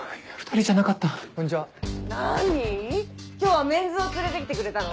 今日はメンズを連れて来てくれたの？